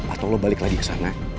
atau lo balik lagi ke sana